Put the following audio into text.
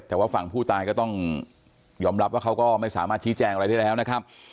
แต่ว่าฝั่งผู้ตายก็ต้องยอมรับว่าเขาก็ไม่สามารถชี้แจงอะไรได้แล้วนะครับ